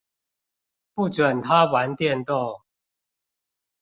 不准他玩電動